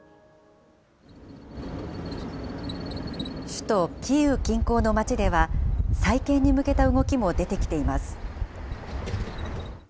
首都キーウ近郊の町では、再建に向けた動きも出てきています。